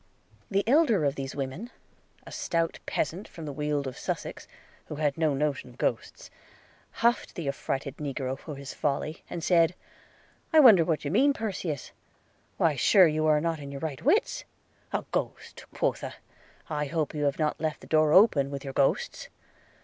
The elder of these women, a stout peasant from the weald of Sussex, who had no notion of ghosts, huffed the affrighted negro for his folly, and said, 'I wonder what you mean, Perseus – why sure you are not in your right wits? A ghost quotha! I hope you have not left the door open, with your ghosts?'